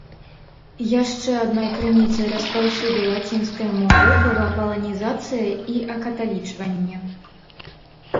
Яшчэ адной крыніцай распаўсюду лацінскай мовы была паланізацыя і акаталічванне.